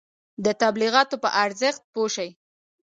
د تبلیغاتو په ارزښت پوه شئ.